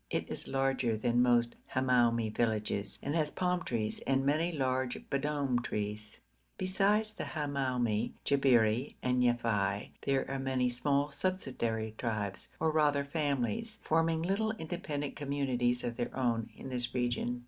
It is larger than most Hamoumi villages, and has palm trees and many large b'dom trees. Besides the Hamoumi, Jabberi, and Yafei, there are many small subsidiary tribes, or rather families, forming little independent communities of their own, in this region.